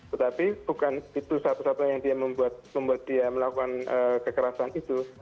tetapi bukan itu satu satunya yang membuat dia melakukan kekerasan itu